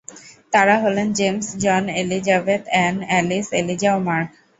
তারা হলেন James, John, Elizabeth, Anne, Alice, Eliza, ও মার্ক।